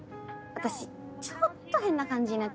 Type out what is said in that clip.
私ちょっと変な感じになっていい？